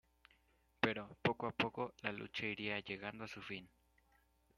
Pero, poco a poco, la lucha iría llegando a su fin.